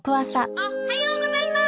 おっはようございます！